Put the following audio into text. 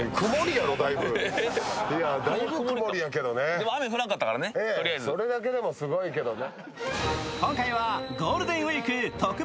でも雨、降らんかったからね、とりあえず。それだけでもすごいけどね。